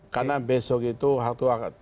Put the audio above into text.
karena besok itu